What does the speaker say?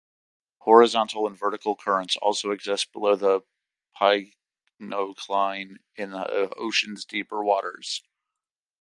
Horizontal and vertical currents also exist below the pycnocline in the ocean's deeper waters.